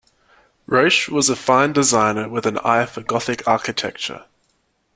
Roche was a fine designer with an eye for Gothic architecture.